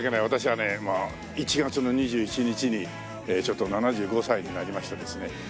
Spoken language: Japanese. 私はねまあ１月の２１日にちょっと７５歳になりましてですね。